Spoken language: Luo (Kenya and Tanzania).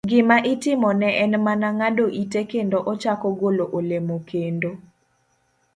Gima itimone en mana ng'ado ite kendo ochako golo olemo kendo.